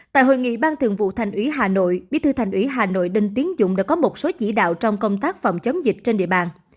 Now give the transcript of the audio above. tại hội nghị ban thường vụ thành ủy hà nội bí thư thành ủy hà nội đinh tiến dũng đã có một số chỉ đạo trong công tác phòng chống dịch trên địa bàn